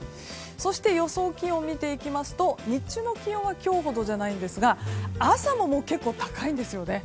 そして予想気温を見ていきますと日中の気温は今日ほどじゃないですが朝も結構高いんです。